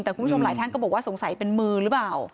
แต่คุณผู้ชมหลายทางก็บอกว่าหรือเป็นมั้ย